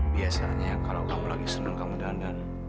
biasanya kalau kamu lagi seneng kamu dandan